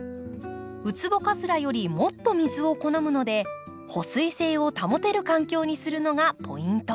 ウツボカズラよりもっと水を好むので保水性を保てる環境にするのがポイント。